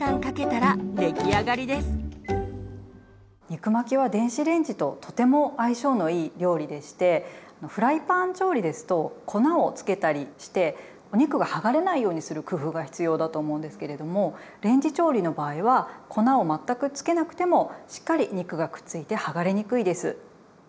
肉巻きは電子レンジととても相性のいい料理でしてフライパン調理ですと粉をつけたりしてお肉が剥がれないようにする工夫が必要だと思うんですけれどもレンジ調理の場合は粉を全くつけなくてもしっかり肉がくっついて剥がれにくいです。